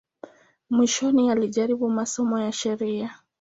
Mwishoni alijaribu masomo ya sheria.